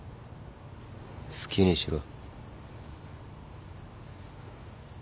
好きにしろ。